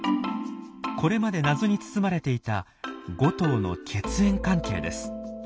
これまで謎に包まれていた５頭の血縁関係です。